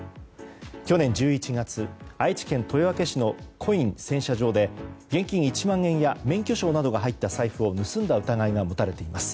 去年１１月、愛知県豊明市のコイン洗車場で現金１万円や免許証などが入った財布を盗んだ疑いが持たれています。